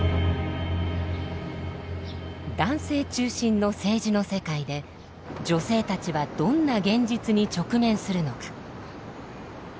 男性中心の政治の世界で女性たちはどんな現実に直面するのか。